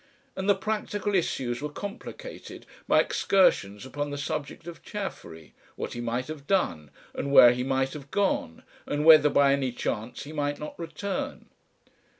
And the practical issues were complicated by excursions upon the subject of Chaffery, what he might have done, and where he might have gone, and whether by any chance he might not return.